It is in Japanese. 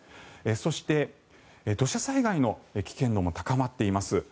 そして土砂災害の危険度も高まっています。